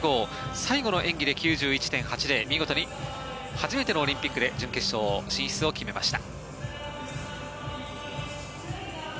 最後の演技で９１．８０見事に初めてのオリンピックで準決勝進出を決めました。